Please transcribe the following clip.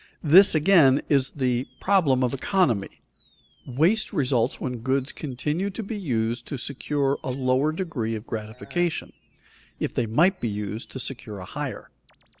This again is the problem of "economy." Waste results when goods continue to be used to secure a lower degree of gratification, if they might be used to secure a higher.